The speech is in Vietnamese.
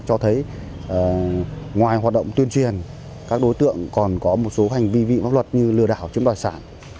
cho thấy ngoài hoạt động tuyên truyền các đối tượng còn có một số hành vi vị pháp luật như lừa đảo chiếm đoạt sản